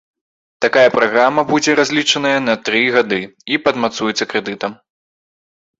Такая праграма будзе разлічаная на тры гады і падмацуецца крэдытам.